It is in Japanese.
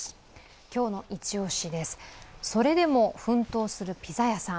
今日のイチオシです、それでも奮闘するピザ屋さん。